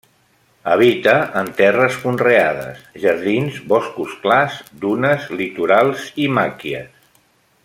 Habita en terres conreades, jardins, boscos clars, dunes litorals i màquies.